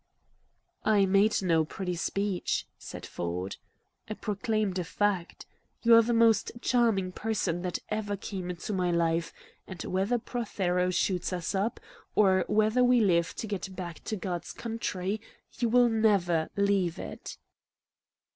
"I made no pretty speech," said Ford. "I proclaimed a fact. You are the most charming person that ever came into my life, and whether Prothero shoots us up, or whether we live to get back to God's country, you will never leave it."